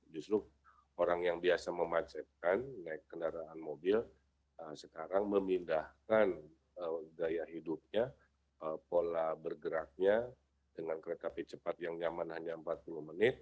justru orang yang biasa memacetkan naik kendaraan mobil sekarang memindahkan gaya hidupnya pola bergeraknya dengan kereta api cepat yang nyaman hanya empat puluh menit